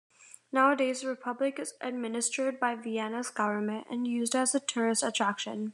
Nowadays, the Republic is administered by Vienna's government and used as a tourist attraction.